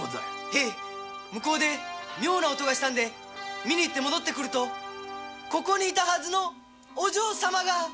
へい向こうで妙な音がしたんで見に行って戻ってくるとここにいたはずのお嬢様が。